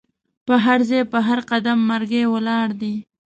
په هرځای په هر قدم مرګی ولاړ دی